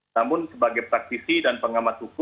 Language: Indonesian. namun sebagai praktisi dan pengamat hukum